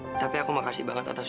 iya tapi aku makasih banget atas